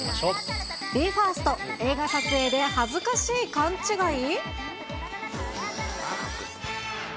ＢＥ：ＦＩＲＳＴ、映画撮影で恥ずかしい勘違い？